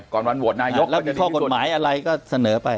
ก่อนวันโหวตนายกแล้วมีข้อกฎหมายอะไรก็เสนอไป